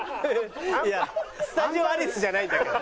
いやスタジオアリスじゃないんだから。